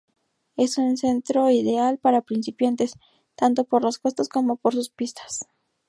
Es un centro ideal para principiantes, tanto por los costos como por sus pistas.